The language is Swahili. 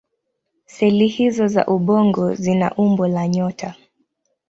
Seli hizO za ubongo zina umbo la nyota.